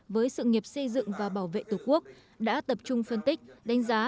với sự nghiệp xây dựng và bảo vệ tổ quốc đã tập trung phân tích đánh giá